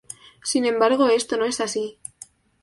Sin embargo, esto no es así.